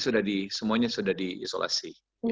oh iya semuanya sudah diisolasi